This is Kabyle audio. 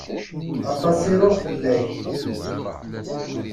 Aṭas i ruɣ fell-ak.